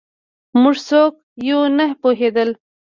موږ څوک یو نه پوهېدل